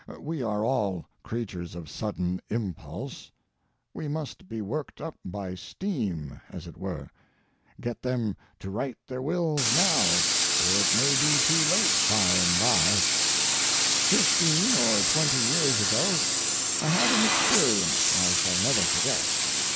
We are all creatures of sudden impulse. We must be worked up by steam, as it were. Get them to write their wills now, or it may be too late by and by. Fifteen or twenty years ago I had an experience I shall never forget.